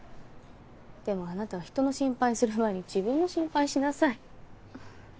でもあなたは人の心配する前に自分の心配しなさい。